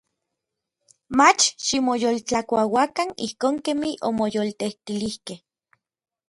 Mach ximoyoltlakuauakan ijkon kemij omoyoltetilijkej.